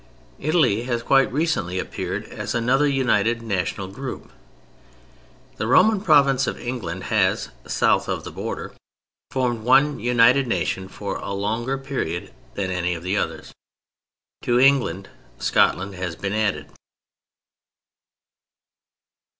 Italy has quite recently appeared as another united national group. The Roman province of England has (south of the border) formed one united nation for a longer period than any of the others. To England Scotland has been added.